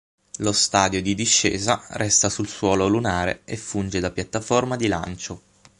Lo stadio di discesa resta sul suolo lunare e funge da piattaforma di lancio.